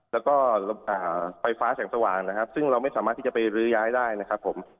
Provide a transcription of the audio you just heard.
แล้วก็ไฟฟ้าแสงสว่างนะครับซึ่งเราไม่สามารถที่จะไปรื้อย้ายได้นะครับผม